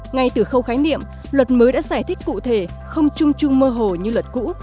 ngay từ khâu khái niệm luật mới đã giải thích cụ thể không chung chung mơ hồ như luật cũ